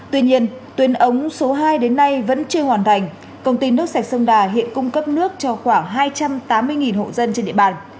tuy nhiên tuyến ống số hai đến nay vẫn chưa hoàn thành công ty nước sạch sông đà hiện cung cấp nước cho khoảng hai trăm tám mươi hộ dân trên địa bàn